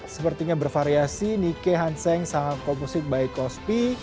sepertinya bervariasi nike hanseng sanghai composite bycosby